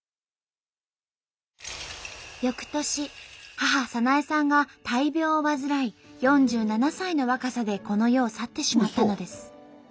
翌年母早苗さんが大病を患い４７歳の若さでこの世を去ってしまったのです。